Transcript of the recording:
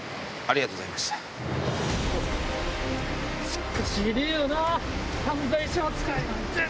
しかしひでぇよな犯罪者扱いなんて。